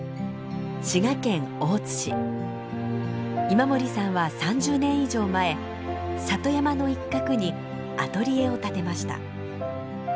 今森さんは３０年以上前里山の一角にアトリエを建てました。